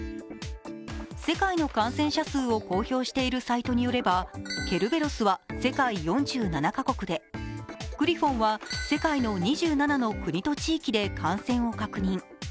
世界の感染者数を公表しているサイトによればケルベロスは世界４７か国で、グリフォンは世界の２７の国と地域で感染を確認。